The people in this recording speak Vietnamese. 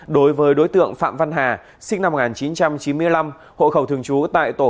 đối với đối tượng phạm văn hà sinh năm một nghìn chín trăm chín mươi năm hộ khẩu thường trú tại tổ một mươi